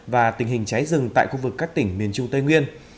và tình hình cháy rừng tại khu vực các tỉnh miền trung tây nguyên